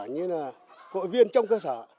như là cội viên trong cơ sở